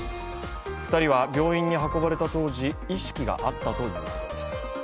２人は病院に運ばれた当時意識があったということです。